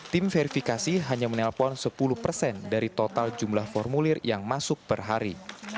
tim verifikasi hanya menelpon sepuluh persen dari total jumlah formulir yang masuk per hari